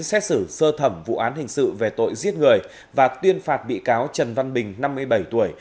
xét xử sơ thẩm vụ án hình sự về tội giết người và tuyên phạt bị cáo trần văn bình năm mươi bảy tuổi